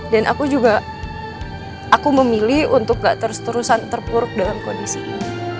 dan aku juga memilih untuk gak terus terusan terpuruk dalam kondisi ini